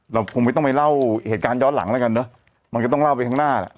เราคงไม่ต้องไปเล่าเหตุการณ์ย้อนหลังแล้วกันเนอะมันก็ต้องเล่าไปข้างหน้าแหละ